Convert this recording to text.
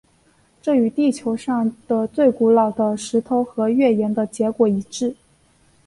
这与地球上的最古老的石头和月岩的结果一致。